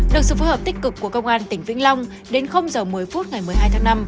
được sự phối hợp tích cực của công an tỉnh vĩnh long đến giờ một mươi phút ngày một mươi hai tháng năm